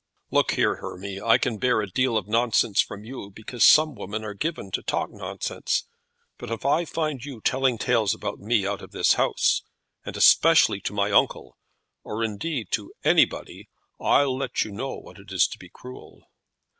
"Look here, Hermy; I can bear a deal of nonsense from you because some women are given to talk nonsense; but if I find you telling tales about me out of this house, and especially to my uncle, or indeed to anybody, I'll let you know what it is to be cruel."